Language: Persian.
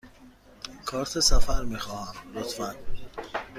کارت سفر می خواهم، لطفاً.